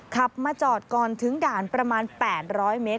ขับมาจอดก่อนถึงด่านประมาณ๘๐๐เมตร